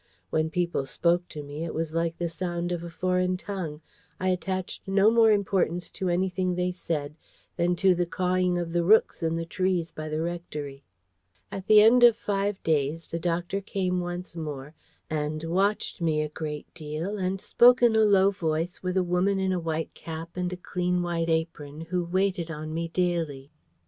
When people spoke to me, it was like the sound of a foreign tongue. I attached no more importance to anything they said than to the cawing of the rooks in the trees by the rectory. At the end of five days, the doctor came once more, and watched me a great deal, and spoke in a low voice with a woman in a white cap and a clean white apron who waited on me daily.